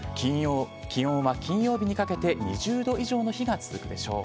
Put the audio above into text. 気温は金曜日にかけて、２０度以上の日が続くでしょう。